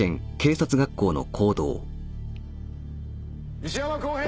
・石山広平。